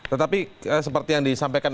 tetapi seperti yang disampaikan